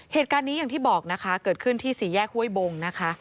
เหตุการณ์นี้อย่างที่บอกนะคะเกิดขึ้นที่สี่แยกห้วยบงนะคะ